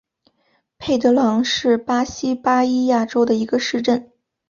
佩德朗是巴西巴伊亚州的一个市镇。